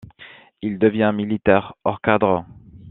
Il devient militaire hors-cadre.